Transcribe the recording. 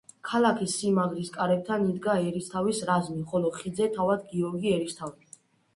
ქალაქის სიმაგრის კარებთან იდგა ერისთავის რაზმი, ხოლო ხიდზე თავად გიორგი ერისთავი.